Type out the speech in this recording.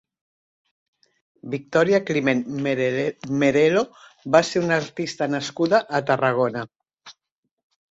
Victòria Climent Merelo va ser una artista nascuda a Tarragona.